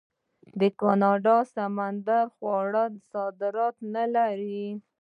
آیا کاناډا د سمندري خوړو صادرات نلري؟